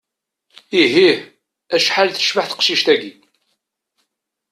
Ihih, acḥal tecbeḥ teqcict-agi!